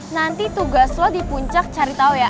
nanti tugas lo di puncak cari tahu ya